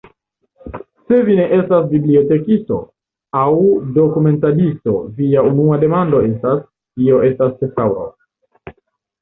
Se vi ne estas bibliotekisto aŭ dokumentadisto, via unua demando estas, kio estas tesaŭro.